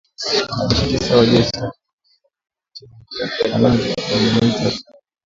Wanajeshi tisa walioshtakiwa ni pamoja na luteni, kanali na mameja watatu.